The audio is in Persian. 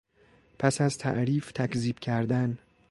پس از تعریف تکذیب کردن